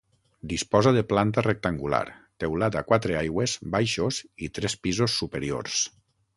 Disposa de planta rectangular, teulat a quatre aigües, baixos i tres pisos superiors.